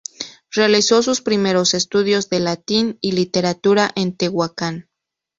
Realizó sus primeros estudios de latín y literatura en Tehuacán.